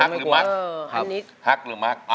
ฮักหรือมัก